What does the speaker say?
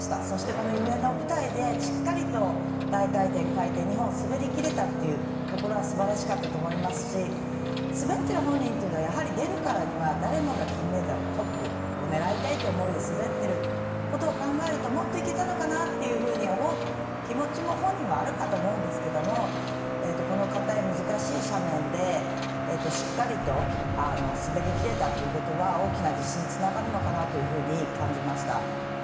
そして夢の舞台でしっかりと大回転、回転２本滑りきれたというところはすばらしかったと思いますし滑っている本人というのはやはり出るからには誰もが金メダルトップを狙いたいって思いで滑ってることを考えるともっといけたのかなというふうに思う気持ちも本人はあるかと思うんですけどもこのかたい、難しい斜面でしっかりと滑りきれたということは大きな自信につながるのかなと感じました。